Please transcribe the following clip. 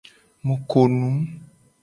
Mu ko nu.